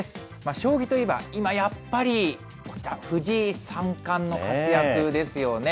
将棋といえば、今やっぱり藤井三冠の活躍ですよね。